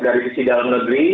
dari sisi dalam negeri